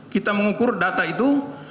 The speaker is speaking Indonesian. kita mengukur data itu